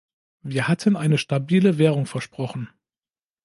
Wir hatten eine stabile Währung versprochen.